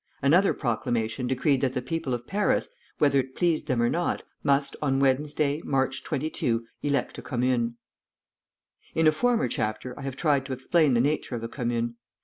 Another proclamation decreed that the people of Paris, whether it pleased them or not, must on Wednesday, March 22, elect a commune. In a former chapter I have tried to explain the nature of a commune.